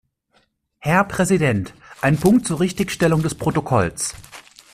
Herr Präsident, ein Punkt zur Richtigstellung des Protokolls.